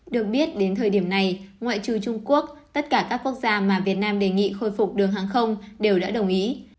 được biết đến thời điểm này ngoại trừ trung quốc tất cả các quốc gia mà việt nam đề nghị khôi phục đường hàng không đều đã đồng ý